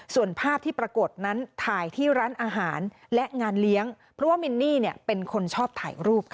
ส่วนภาพที่ปรากฏนั้นถ่ายที่ร้านอาหารและงานเลี้ยงเพราะว่ามินนี่เป็นคนชอบถ่ายรูปค่ะ